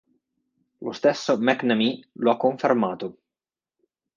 Lo stesso McNamee lo ha confermato.